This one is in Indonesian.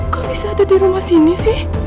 kalau bisa ada di rumah sini sih